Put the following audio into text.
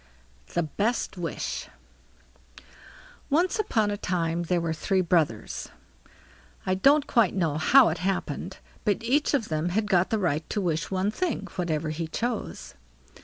THE BEST WISH Once on a time there were three brothers; I don't quite know how it happened, but each of them had got the right to wish one thing, whatever he chose.